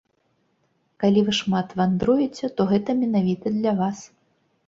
Калі вы шмат вандруеце, то гэта менавіта для вас.